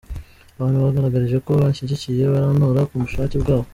Abantu bangaragarije ko banshyigikiye barantora ku bushake bwabo.